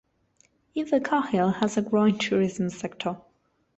Invercargill has a growing tourism sector.